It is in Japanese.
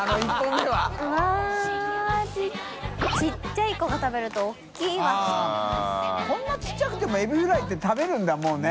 海鵑ちっちゃくてもエビフライって食べるんだもうね。